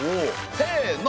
せの！